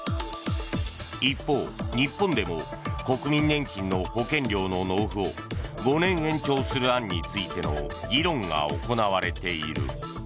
一方、日本でも国民年金の保険料の納付を５年延長する案についての議論が行われている。